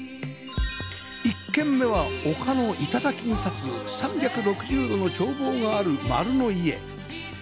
１軒目は丘の頂に立つ３６０度の眺望がある○の家